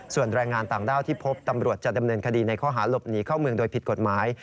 ส่วนแรงงานต่างด้าวที่พบตำรวจจะดำเนินคดีในข้อหาหลบหนีเข้าเมืองโดยผิดกฎหมาย